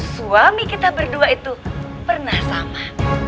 suami kita berdua itu pernah sama